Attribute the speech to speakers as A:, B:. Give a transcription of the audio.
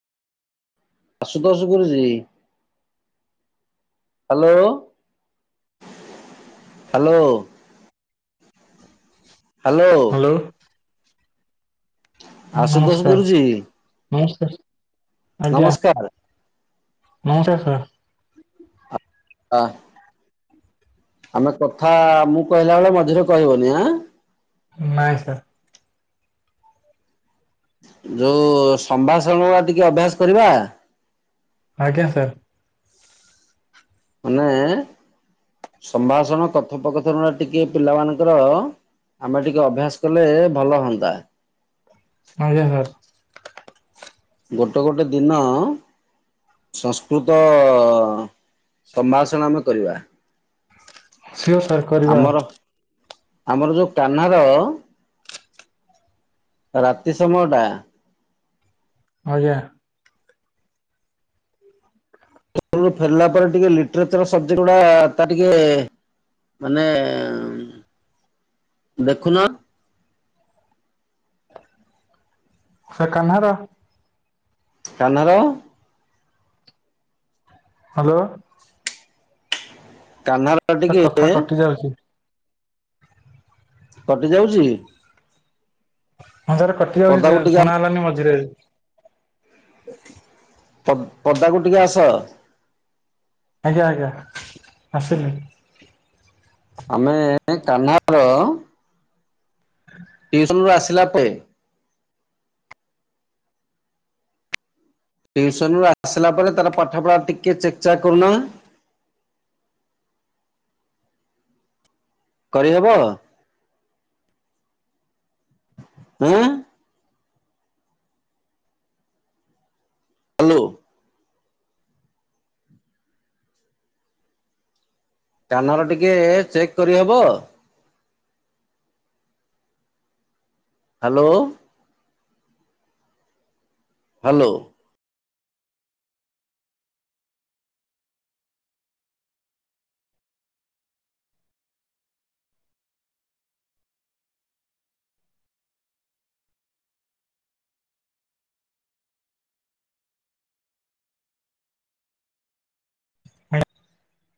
A: ଆସୁତୋଷ ଗୁରୁଜୀ। Hello. Hello. Hello. Ashutosh
B: ନମସ୍କାର
A: ଗୁରୁଜୀ
B: ନମସ୍କାର। ଆଜ୍ଞା
A: ନମସ୍କାର।
B: ନମସ୍କାର ସାର୍।
A: ଅ ଆମେ କଥା ମୁଁ କହିଲା ବେଳେ ମଝିରେ କହିବନି ଆଁ।
B: ନାଇଁ ସାର୍।
A: ଯୋଉ ସମ୍ଭାଷଣ ଉରା ଟିକେ ଅଭ୍ୟାସ କରିବା।
B: ଆଜ୍ଞା ସାର୍।
A: ମାନେ ସମ୍ଭାଷଣ କଥୋପକଥନ ଟିକେ ପିଲା ମାନଙ୍କର। ଆମେ ଟିକେ ଅଭ୍ୟାସ କଲେ ଭଲ ହୁଅନ୍ତା।
B: ଆଜ୍ଞା ସାର୍।
A: ଗୋଟେ ଗୋଟେ ଦିନ। ସଂସ୍କୃତ ସମ୍ଭାଷଣ ଆମେ କରିବା।
B: ସିଓର ସାର୍ କରିବା।
A: ଆମର ଆମର ଯୋଉ କାହ୍ନାର। ରାତି ସମୟଟା।
B: ଆଜ୍ଞା।
A: ସ୍କୁଲରୁ ଫେରିଲା ପରେ ଟିକେ ଲିଟରେଚର ସବଜେକ୍ଟ ଗୁଡା ତା ଟିକେ ମାନେ ଦେଖୁନ
B: ସାର୍ କାହ୍ନାର।
A: କାହ୍ନାର?
B: ହ୍ୟାଲୋ।
A: କାହ୍ନାର।
B: ସାର୍
A: ଟିକେ
B: କଥା କଟି ଯାଉଛି।
A: କଟିଯାଉଛି?
B: ହଁ ସାର୍ କଟି ଯାଉଛି
A: ପଦାକୁ ଟିକେ
B: ଶୁଣା ହେଲାନି ମଝିରେ।
A: ପ-ପଦାକୁ ଟିକେ ଆସ।
B: ଆଜ୍ଞା ଆଜ୍ଞା ଆସିଲିଣି।
A: ଆମେ କାହ୍ନାର ଟିଉସନ ରୁ ଆସିଲା ପରେ। ଟିଉସନ ରୁ ଆସିଲା ପରେ ତାର ପାଠ ପଢ଼ା ଟିକେ ଚେକଚାକ୍ କରୁ ନ। କରିହେବ? ଆଁ। ହ୍ୟାଲୋ କାନର ଟିକେ ଚେକ୍ କରିହବ? ହ୍ୟାଲୋ? ହ୍ୟାଲୋ।
B: [inaudible]